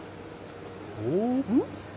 うん？